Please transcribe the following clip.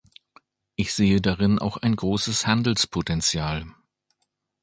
Ich sehe darin auch ein großes Handelspotenzial.